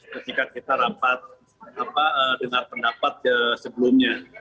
ketika kita rapat dengar pendapat sebelumnya